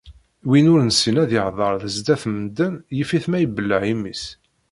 Win ur nessin ad yehder zdat n medden, yif-it ma ibelleɛ imi-s